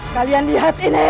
kalian lihat ini